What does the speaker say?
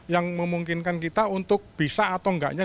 yang memungkinkan kita untuk bisa atau enggaknya